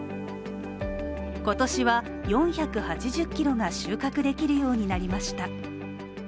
今年は４８０ｋｇが収穫できるようになりました。